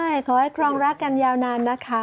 ใช่ขอให้ครองรักกันยาวนานนะคะ